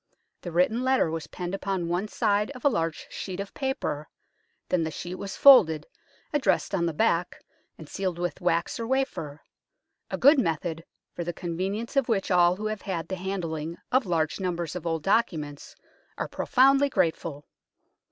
The written letter was penned upon one side of a large sheet of paper, then the sheet was folded, addressed on the back, and sealed with wax or wafer a good method, for the convenience of which all who have had the handling of large numbers of old documents are profoundly grateful.